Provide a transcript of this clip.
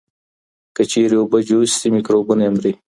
که چېرې اوبه جوش شي، مکروبونه یې مري.